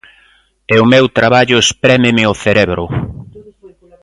E o meu traballo esprémeme o cerebro.